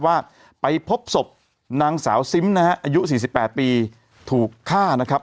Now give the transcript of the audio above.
ว่าไปพบศพนางสาวซิมนะฮะอายุ๔๘ปีถูกฆ่านะครับ